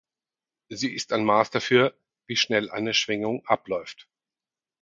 Sie ist ein Maß dafür, wie schnell eine Schwingung abläuft.